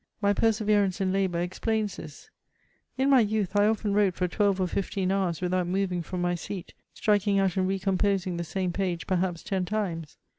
My perseverance in labour explains this ; in my youth I often wrote for twelve or fifteen hours without moving from my seat, striking out and recomposing the same page perhaps ten times.